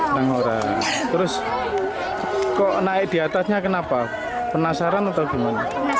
senang orang terus kok naik di atasnya kenapa penasaran atau gimana